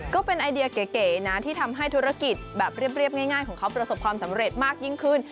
ก็เป็นไอเดียเก๋นะที่ทำให้ธุรกิจแบบเรียบง่ายของเขาประสบความสำเร็จมากยิ่งขึ้น